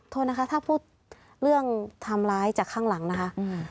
โทษนะคะถ้าพูดเรื่องทำร้ายจากข้างหลังนะคะ